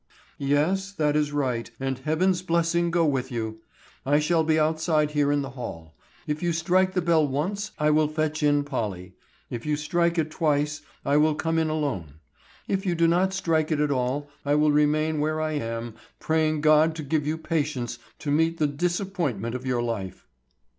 "Yes, that is right, and Heaven's blessing go with you. I shall be outside here in the hall. If you strike the bell once I will fetch in Polly; if you strike it twice, I will come in alone; if you do not strike it at all, I will remain where I am, praying God to give you patience to meet the disappointment of your life."